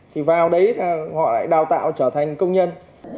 thì vào đấy là họ lại đào tạo trở thành công nhân